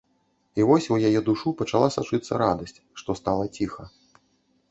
І вось у яе душу пачала сачыцца радасць, што стала ціха.